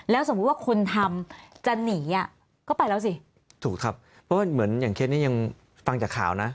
สมมุติว่าคนทำจะหนีอ่ะก็ไปแล้วสิถูกครับเพราะว่าเหมือนอย่างเคสนี้ยังฟังจากข่าวนะ